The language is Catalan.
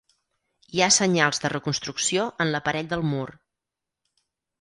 Hi ha senyals de reconstrucció en l'aparell del mur.